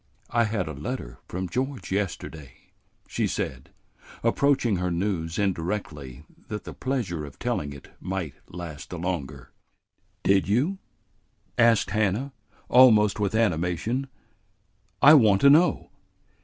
"I had a letter from George yesterday," she said, approaching her news indirectly that the pleasure of telling it might last the longer. "Did you?" asked Hannah, almost with animation. "I want to know."